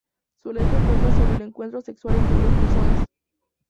Su letra trata sobre un encuentro sexual entre dos personas.